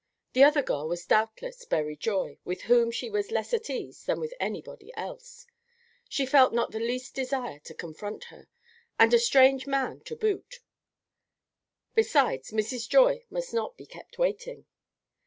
The other girl was doubtless Berry Joy, with whom she was less at ease than with anybody else. She felt not the least desire to confront her, and a strange man to boot; besides, Mrs. Joy must not be kept waiting.